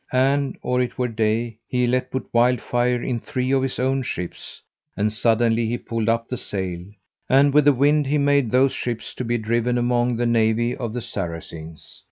And or it were day he let put wildfire in three of his own ships, and suddenly he pulled up the sail, and with the wind he made those ships to be driven among the navy of the Saracens.